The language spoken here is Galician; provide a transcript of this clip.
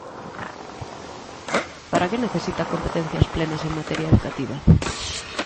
Para que necesita competencias plenas en materia educativa?